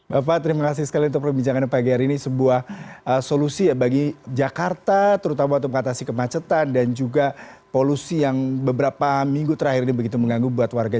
bapak terima kasih sekali untuk perbincangan pagi hari ini sebuah solusi ya bagi jakarta terutama untuk mengatasi kemacetan dan juga polusi yang beberapa minggu terakhir ini begitu mengganggu buat warga